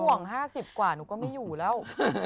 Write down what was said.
ไม่ต้องห่วง๕๐กว่าหนูก็ไม่อยู่แล้ว